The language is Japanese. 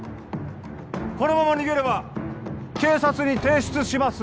このまま逃げれば警察に提出します